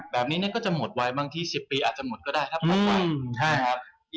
แบบนี้ก็จะหมดไว้บางที๑๐ปีอาจจะหมดก็ได้ถ้าพบไว้